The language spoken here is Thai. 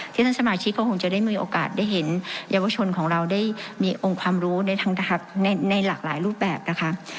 ท่านสมาชิกก็คงจะได้มีโอกาสได้เห็นเยาวชนของเราได้มีองค์ความรู้ในหลากหลายรูปแบบนะคะ